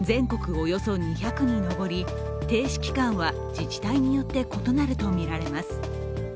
およそ２００に上り停止期間は自治体によって異なるとみられます。